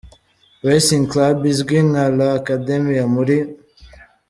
Racing Club izwi nka La Academia muri